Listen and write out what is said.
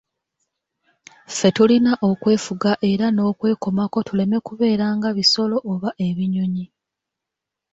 Ffe tulina okwefuga era n'okwekomako tuleme kubeera nga bisolo oba ebinyonyi.